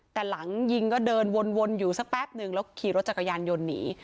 แต่หลังยิงก็เดินวนอยู่สักแป๊บนึงแล้วขี่รถจักรยานยนต์หนี